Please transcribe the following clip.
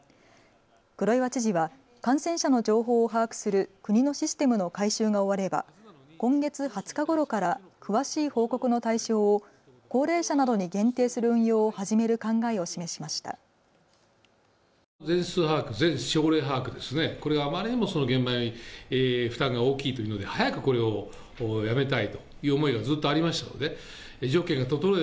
黒岩知事は感染者の情報を把握する国のシステムの改修が終われば今月２０日ごろから詳しい報告の対象を高齢者などに限定する運用を始める考えを示しました。